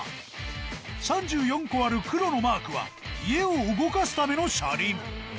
３４個ある黒のマークは家を動かすための車輪